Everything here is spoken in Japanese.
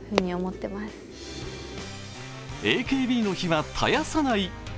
ＡＫＢの火は絶やさない。